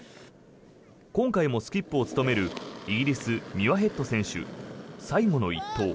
今回もスキップを務めるイギリス、ミュアヘッド選手最後の１投。